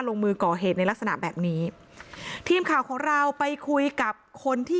ลงมือก่อเหตุในลักษณะแบบนี้ทีมข่าวของเราไปคุยกับคนที่